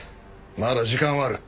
まだ時間はある。